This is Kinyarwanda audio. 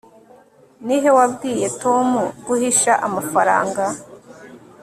ni he wabwiye tom guhisha amafaranga